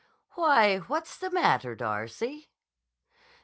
"Why, what's the matter, Darcy?"